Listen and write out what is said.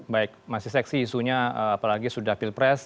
baik masih seksi isunya apalagi sudah pilpres